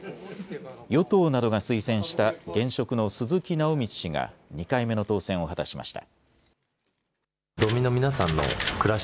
与党などが推薦した現職の鈴木直道氏が２回目の当選を果たしました。